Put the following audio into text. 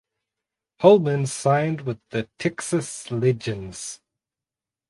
Holman signed with the Texas Legends.